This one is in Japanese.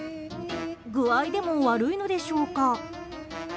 具合でも悪いのでしょうか。